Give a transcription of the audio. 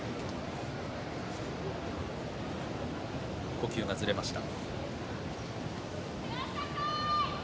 呼吸がずれました。